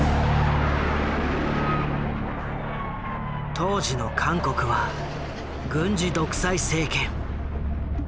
当時の韓国は軍事独裁政権。